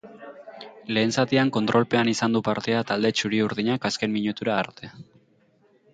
Lehen zatian kontrolpean izan du partida talde txuri-urdinak azken minutuera arte.